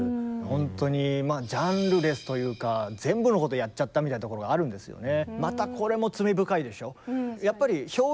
ほんとにまあジャンルレスというか全部のことやっちゃったみたいなところがあるんですよね。